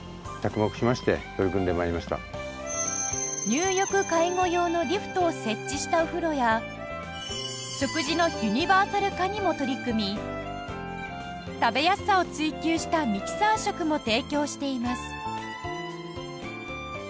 入浴介護用のリフトを設置したお風呂や食事のユニバーサル化にも取り組み食べやすさを追求したミキサー食も提供しています